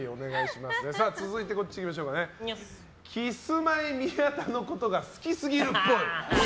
続いて、キスマイ宮田のことが好きすぎるっぽい。